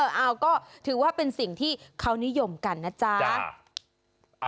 เอาก็ถือว่าเป็นสิ่งที่เขานิยมกันนะจ๊ะ